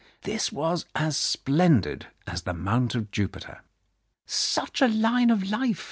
This was as splendid as the Mount of Jupiter. "Such a line of life!